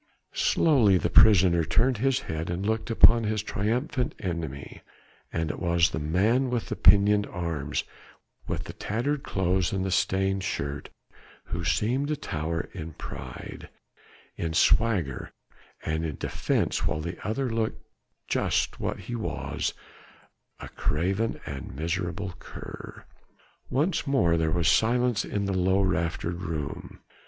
Slowly the prisoner turned his head and looked upon his triumphant enemy, and it was the man with the pinioned arms, with the tattered clothes and the stained shirt who seemed to tower in pride, in swagger and in defiance while the other looked just what he was a craven and miserable cur. Once more there was silence in the low raftered room.